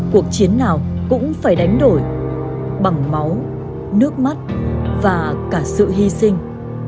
cuộc chiến nào cũng phải đánh đổi bằng máu nước mắt và cả sự hy sinh